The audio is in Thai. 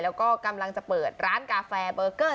แล้วก็กำลังจะเปิดร้านกาแฟเบอร์เกอร์